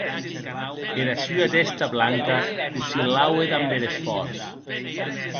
Era sua tèsta blanca oscillaue damb er esfòrç.